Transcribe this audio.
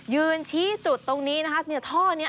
ยืนชี้จุดตรงนี้นะคะท่อนี้